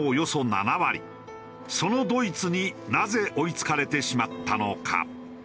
そのドイツになぜ追い付かれてしまったのか？